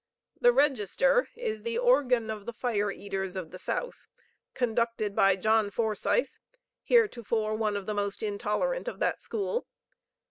The Register is the organ of the fire eaters of the South, conducted by John Forsyth, heretofore one of the most intolerant of that school.